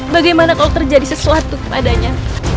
bagaimana kalau terjadi sesuatu kepadanya